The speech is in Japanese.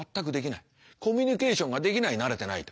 コミュニケーションができない慣れてないと。